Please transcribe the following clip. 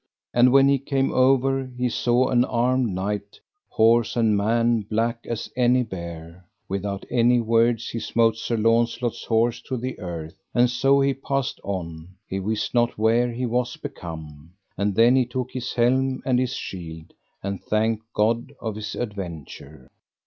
And when he came over he saw an armed knight, horse and man black as any bear; without any word he smote Sir Launcelot's horse to the earth; and so he passed on, he wist not where he was become. And then he took his helm and his shield, and thanked God of his adventure.